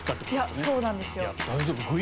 いやそうなんですよ。